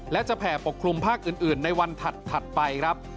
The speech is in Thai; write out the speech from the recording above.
และจะแผ่ปกคลุมภาคอื่นในวันถัดไปครับ